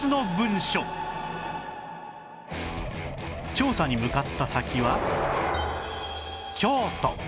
調査に向かった先は